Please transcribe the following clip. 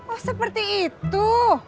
oh seperti itu